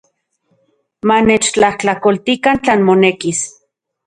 Manechtlajtlakoltikan tlan monekis.